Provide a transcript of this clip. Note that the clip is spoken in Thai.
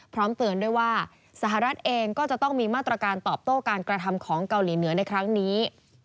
พร้อมเตือนด้วยว่าสหรัฐเองก็จะต้องมีมาตรการตอบโต้การกระทำของเกาหลีเหนือในครั้งนี้